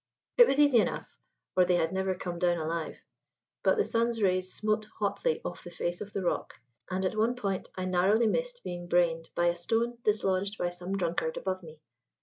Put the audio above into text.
It was easy enough, or they had never come down alive; but the sun's rays smote hotly off the face of the rock, and at one point I narrowly missed being brained by a stone dislodged by some drunkard above me.